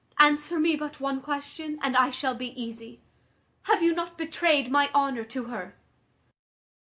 Answer me but one question, and I shall be easy. Have you not betrayed my honour to her?"